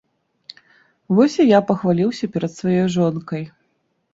Вось і я пахваліўся перад сваёй жонкай.